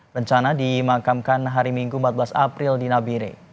rencana dimakamkan hari minggu empat belas april di nabire